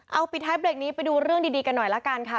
เอาปิดท้ายเบรกนี้ไปดูเรื่องดีกันหน่อยละกันค่ะ